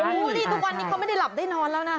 โอ้โฮที่ตอนนี้เขาไม่ได้หลับได้นอนแล้วนะฮะ